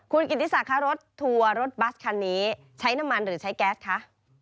คุณกิติศักดิ์รถทัวร์รถบัสคันนี้ใช้น้ำมันหรือใช้แก๊สคะ